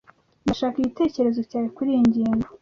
Ndashaka igitekerezo cyawe kuriyi ngingo.